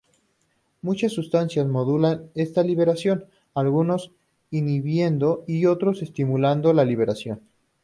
Muchas sustancias modulan esta liberación, algunos inhibiendo y otros estimulando la liberación.